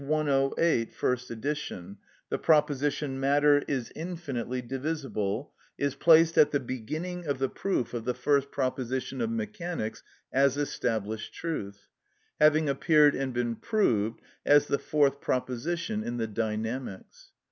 108, first edition), the proposition, "Matter is infinitely divisible," is placed at the beginning of the proof of the first proposition of mechanics as established truth, having appeared and been proved as the fourth proposition in the Dynamics.